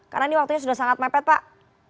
karena ini waktunya sudah sangat mepet pak